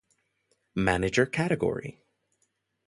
Manager category.